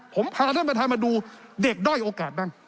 ผมพาท่านประธานมาดูเด็กด้อยโอกาสบ้าง